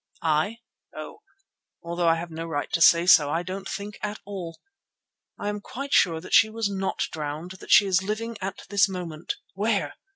"I? Oh! although I have no right to say so, I don't think at all. I am quite sure that she was not drowned; that she is living at this moment." "Where?"